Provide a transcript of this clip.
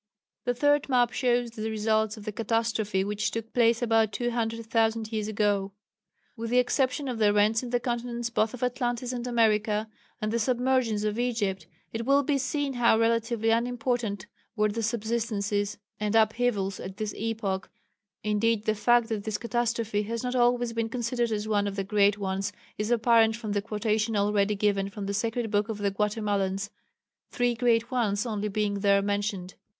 The third map shows the results of the catastrophe which took place about 200,000 years ago. With the exception of the rents in the continents both of Atlantis and America, and the submergence of Egypt, it will be seen how relatively unimportant were the subsidences and upheavals at this epoch, indeed the fact that this catastrophe has not always been considered as one of the great ones, is apparent from the quotation already given from the sacred book of the Guatemalans three great ones only being there mentioned.